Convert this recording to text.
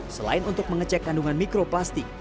selain untuk mengecek kandungan mikroplastik